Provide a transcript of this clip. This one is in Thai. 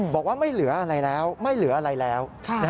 บอกว่าไม่เหลืออะไรแล้วไม่เหลืออะไรแล้ว